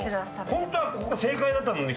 本当はここが正解だったのに。